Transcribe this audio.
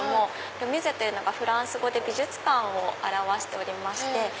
ＬｅＭｕｓｅというのがフランス語で美術館を表しておりまして。